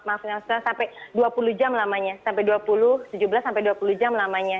maaf maaf sampai dua puluh jam selamanya sampai dua puluh tujuh belas sampai dua puluh jam selamanya